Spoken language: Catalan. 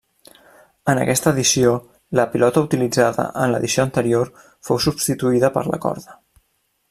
En aquesta edició la pilota utilitzada en l'edició anterior fou substituïda per la corda.